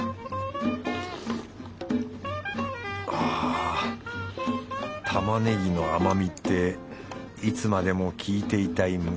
あ玉ネギの甘みっていつまでも聞いていたい